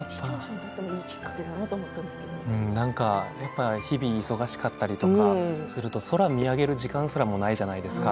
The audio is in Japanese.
視聴者にとってもいいきっかけだなと日々、忙しかったりすると空を見上げる時間すらもなかったりするじゃないですか。